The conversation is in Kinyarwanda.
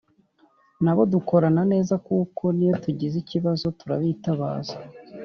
nabo dukorana neza, kuko n’iyo tugize ikibazo turabitabaza